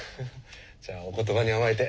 じゃあお言葉に甘えて。